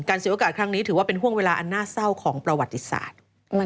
เสียโอกาสครั้งนี้ถือว่าเป็นห่วงเวลาอันน่าเศร้าของประวัติศาสตร์